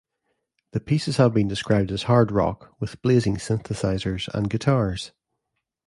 The pieces have been described as "hard-rock" with "blazing synthesizers and guitars".